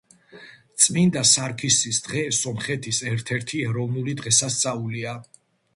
წმინდა სარქისის დღე სომხეთის ერთ-ერთი ეროვნული დღესასწაულია.